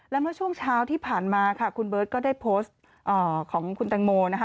และเมื่อช่วงเช้าที่ผ่านมาค่ะคุณเบิร์ตก็ได้โพสต์ของคุณแตงโมนะคะ